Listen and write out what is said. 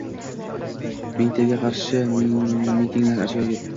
Mitingga qarshi mitinglar. Ajoyib.